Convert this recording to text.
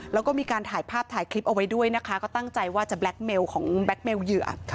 แล้วก็มีการถ่ายภาพถ่ายคลิปเอาไว้ด้วยนะคะก็ตั้งใจว่าจะแล็คเมลของแบล็คเมลเหยื่อ